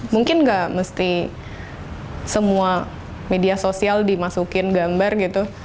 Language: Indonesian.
mungkin nggak mesti semua media sosial dimasukin gambar gitu